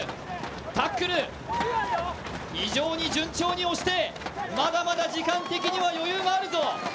タックル、非常に順調に押して、まだまだ時間的には余裕があるぞ。